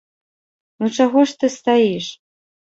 Ну чаго ж ты стаіш?